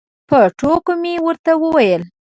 په ټوکه مې ورته وویل.